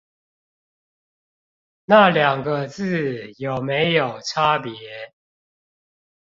那兩個字有沒有差別